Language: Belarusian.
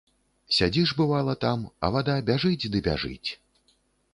Сядзіш бывала там, а вада бяжыць ды бяжыць.